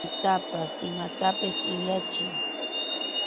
Pitapas imatapas chʼinyachiy.